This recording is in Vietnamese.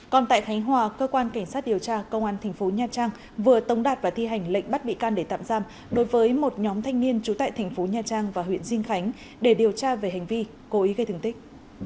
còn tại khánh hòa cơ quan cảnh sát điều tra công an thành phố nha trang vừa tống đạt và thi hành lệnh bắt bị can để tạm giam đối với một nhóm thanh niên trú tại thành phố nha trang và huyện dinh khánh để điều tra về hành vi cố ý gây thương tích